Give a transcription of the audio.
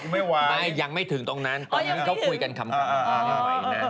ไม่ยังไม่ถึงตรงนั้นตอนนั้นเขาคุยกันคำถามกันไม่ไหวนะ